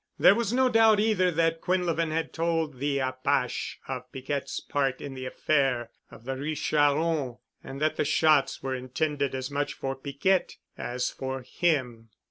There was no doubt either that Quinlevin had told the apache of Piquette's part in the affair of the Rue Charron and that the shots were intended as much for Piquette as for him.